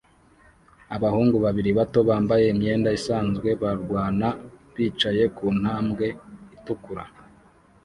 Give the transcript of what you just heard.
Abahungu babiri bato bambaye imyenda isanzwe barwana bicaye ku ntambwe itukura